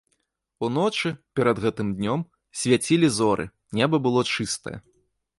Уночы, перад гэтым днём, свяцілі зоры, неба было чыстае.